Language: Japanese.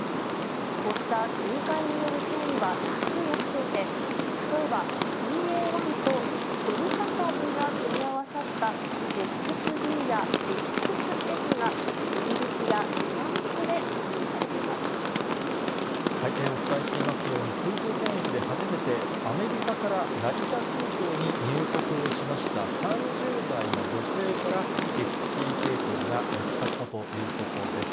こうした組み換えによる変異は多数起きていて、例えばＢＡ．１とデルタ株が組み合わさったＸＤやＸＦが、イギリお伝えしていますように、空港検疫で初めてアメリカから成田空港に入国をしました３０代の女性から、ＸＥ系統が見つかったということです。